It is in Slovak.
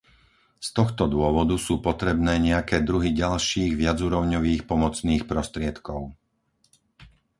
Z tohto dôvodu sú potrebné nejaké druhy ďalších viacúrovňových pomocných prostriedkov.